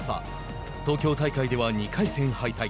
東京大会では２回戦敗退。